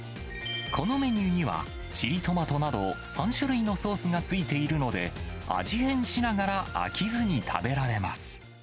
このメニューにはチリトマトなど、３種類のソースがついているので、味変しながら飽きずに食べられます。